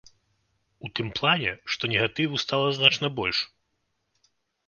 У тым плане, што негатыву стала значна больш.